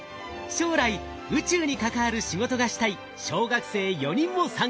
将来宇宙に関わる仕事がしたい小学生４人も参加します。